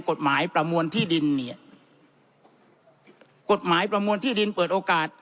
ประมวลที่ดินเนี่ยกฎหมายประมวลที่ดินเปิดโอกาส